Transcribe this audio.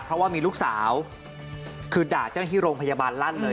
เพราะว่ามีลูกสาวคือด่าเจ้าหน้าที่โรงพยาบาลลั่นเลย